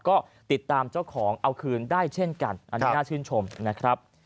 ก็ติดตามเจ้าของเอาคืนได้เช่นกันอันนี้น่าชื่นชมนะครับ